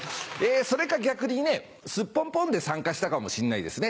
それか逆にスッポンポンで参加したかもしんないですね。